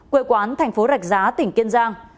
quê quán thành phố rạch giá tỉnh kiên giang